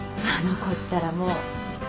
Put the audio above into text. あの子ったらもう。